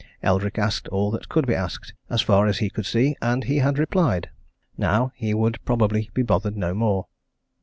Eldrick asked all that could be asked, as far as he could see, and he had replied: now, he would probably be bothered no more.